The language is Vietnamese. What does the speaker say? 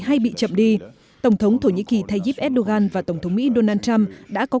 hay bị chậm đi tổng thống thổ nhĩ kỳ tayyip erdogan và tổng thống mỹ donald trump đã có